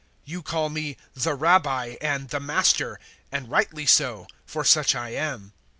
013:013 You call me `The Rabbi' and `The Master,' and rightly so, for such I am.